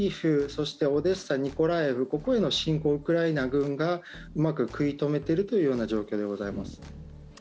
そして、オデーサ、ミコライウここへの侵攻をウクライナ軍がうまく食い止めてるというような状況でございます。